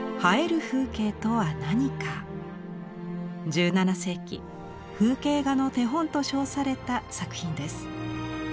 １７世紀「風景画の手本」と称された作品です。